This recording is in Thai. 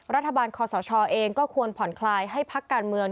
รัฐบาลคอสชเองก็ควรผ่อนคลายให้พักการเมือง